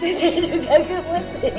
jusnya juga gemes